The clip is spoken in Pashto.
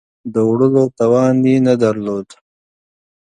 د وړلو توان یې نه درلود.